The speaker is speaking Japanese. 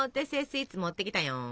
スイーツ持ってきたよん！